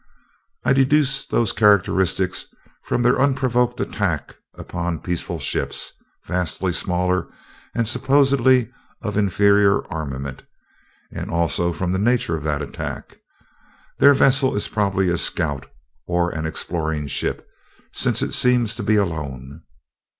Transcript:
"I deduce those characteristics from their unprovoked attack upon peaceful ships, vastly smaller and supposedly of inferior armament; and also from the nature of that attack. This vessel is probably a scout or an exploring ship, since it seems to be alone.